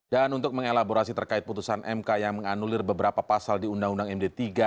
dan untuk mengelaborasi terkait putusan mk yang menganulir beberapa pasal di undang undang md tiga